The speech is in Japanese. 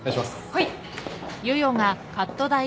はい。